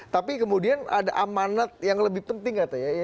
tapi kemudian ada amanat yang lebih penting nggak tahu ya